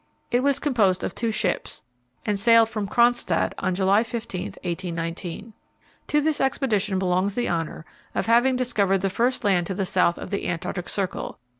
It was composed of two ships, and sailed from Cronstadt on July 15, 1819. To this expedition belongs the honour of having discovered the first land to the south of the Antarctic Circle Peter I.